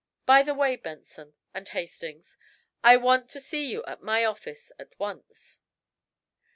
By the way, Benson, and Hastings, I want to see you at my office at once."